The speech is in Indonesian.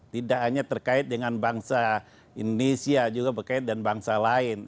tidak hanya terkait dengan bangsa indonesia juga berkaitan dengan bangsa lain